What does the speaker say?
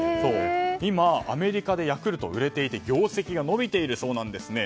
今、アメリカでヤクルトが売れていて業績が伸びているそうなんですね。